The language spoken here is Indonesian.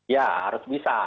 ya harus bisa